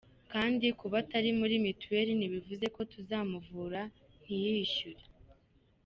Kandi kuba atari muri mituel ntibivuze ko tuzamuvura ntiyishyure”.